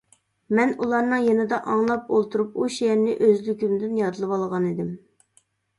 مەن ئۇلارنىڭ يېنىدا ئاڭلاپ ئولتۇرۇپ ئۇ شېئىرنى ئۆزلۈكۈمدىن يادلىۋالغانىدىم.